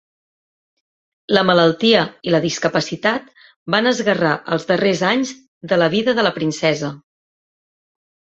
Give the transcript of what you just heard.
La malaltia i la discapacitat van esguerrar els darrers anys de la vida de la princesa.